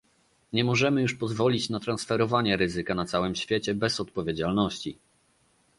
Nie możemy już pozwolić na transferowanie ryzyka na całym świecie bez odpowiedzialności